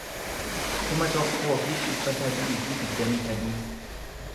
kuma tokkoo fi dhibba sadii fi digdamii sadii